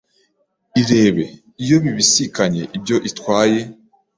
irebe iyo bibisikanye ibyo itwaye,